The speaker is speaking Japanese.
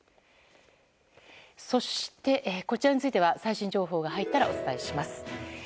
そして、こちらについては最新情報が入ったらお伝えします。